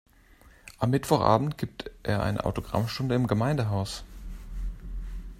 Am Mittwochabend gibt er eine Autogrammstunde im Gemeindehaus.